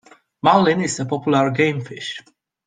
Marlin is a popular game fish.